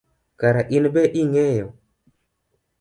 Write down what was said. Kare inbe ing’eyo?